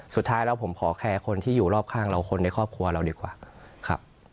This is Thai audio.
สุดท้ายแล้วผมขอแคร์คนที่อยู่รอบข้างเราคนในครอบครัวเราดีกว่าครับ